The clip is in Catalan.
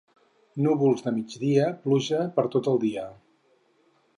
Núvols de migdia, pluja per tot el dia.